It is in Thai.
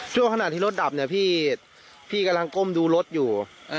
ช่วงขนาดที่รถดับพี่กำลังก้มดูรถอยู่